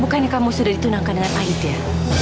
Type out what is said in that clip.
bukannya kamu sudah ditunangkan dengan aith ya